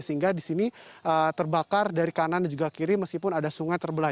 sehingga di sini terbakar dari kanan dan juga kiri meskipun ada sungai terbelah